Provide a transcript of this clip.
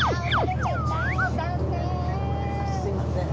すいません。